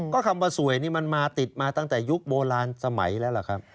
ก็คำว่าสวยนี่มันมาติดมาตั้งแต่ยุคโบราณสมัยแล้วล่ะครับ